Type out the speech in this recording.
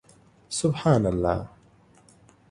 سبحان الله